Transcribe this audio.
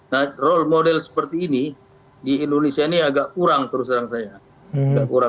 nah role model seperti ini di indonesia ini agak kurang terus terang saya